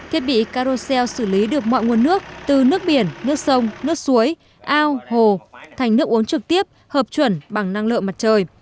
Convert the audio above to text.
thiết bị karocel xử lý được mọi nguồn nước từ nước biển nước sông nước suối ao hồ thành nước uống trực tiếp hợp chuẩn bằng năng lượng mặt trời